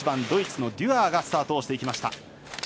ドイツのデュアーがスタートをしていきました。